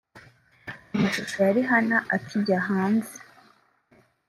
Amashusho ya ‘Rihanna’ akijya hanze